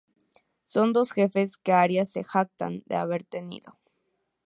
Son dos jefes que Arias se jacta de haber tenido.